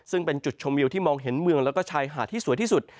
ซึ่งเป็นจุดชมวิวที่มองเห็นเมืองแล้วก็ชายหาดที่สวยที่สุด